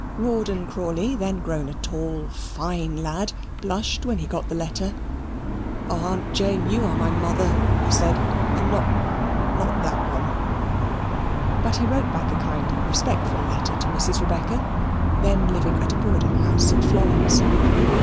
Rawdon Crawley, then grown a tall, fine lad, blushed when he got the letter. "Oh, Aunt Jane, you are my mother!" he said; "and not and not that one." But he wrote back a kind and respectful letter to Mrs. Rebecca, then living at a boarding house at Florence.